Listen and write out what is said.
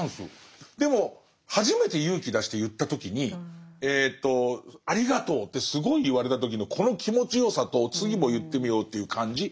でも初めて勇気出して言った時に「ありがとう」ってすごい言われた時のこの気持ちよさと次も言ってみようという感じ。